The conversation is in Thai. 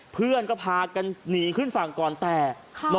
เพื่อนก็พากันนีขึ้นฝั่งกรแทร